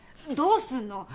どうすんの？